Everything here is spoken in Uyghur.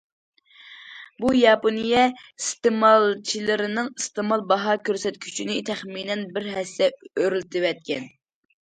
بۇ ياپونىيە ئىستېمالچىلىرىنىڭ ئىستېمال باھا كۆرسەتكۈچىنى تەخمىنەن بىر ھەسسە ئۆرلىتىۋەتكەن.